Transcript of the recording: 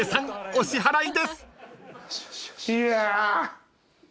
お支払いです］いや。